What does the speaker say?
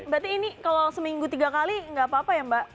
berarti ini kalau seminggu tiga kali nggak apa apa ya mbak